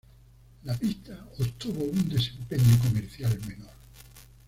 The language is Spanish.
La pista obtuvo un desempeño comercial menor.